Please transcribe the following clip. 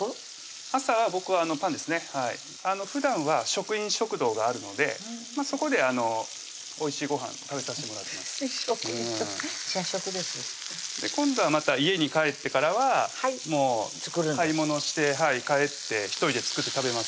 朝は僕はパンですねはいふだんは職員食堂があるのでそこでおいしいごはん食べさしてもらってます職員食社食です今度はまた家に帰ってからはもう買い物して帰って１人で作って食べますね